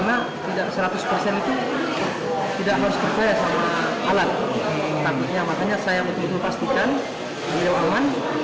makanya saya betul betul pastikan